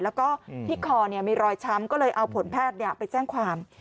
แล้วก็ที่คอมีรอยช้ำก็เลยเอาผลแพทย์ไปแจ้งความ